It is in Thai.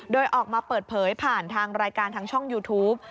โดยออกมาเปิดเผยผ่านทางรายการทางช่องยูทูป